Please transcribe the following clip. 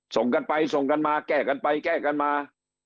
ส่งกันไปส่งกันมาแก้กันไปแก้กันมา